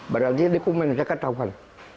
berarti di kku menjaga tawar